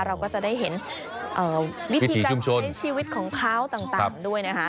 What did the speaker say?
เราก็จะได้เห็นวิธีการใช้ชีวิตของเขาต่างด้วยนะคะ